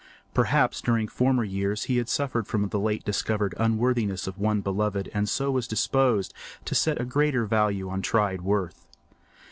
Perhaps during former years he had suffered from the late discovered unworthiness of one beloved and so was disposed to set a greater value on tried worth.